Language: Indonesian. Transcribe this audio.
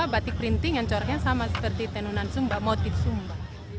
batik printing yang coraknya sama seperti tenunan sumba motif sumba